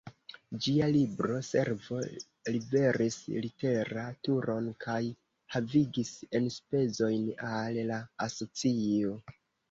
Ĝia Libro-Servo liveris literaturon kaj havigis enspezojn al la asocio.